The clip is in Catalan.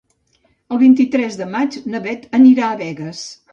El vint-i-tres de maig na Beth anirà a Begues.